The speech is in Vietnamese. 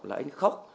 là anh khóc